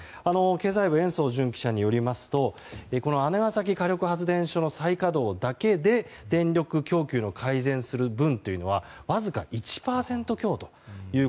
経済部の延増惇記者によりますと姉崎火力発電所の再稼働だけで電力供給の改善する分はわずか１％強だと。